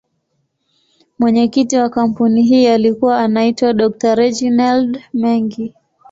Mwenyekiti wa kampuni hii alikuwa anaitwa Dr.Reginald Mengi.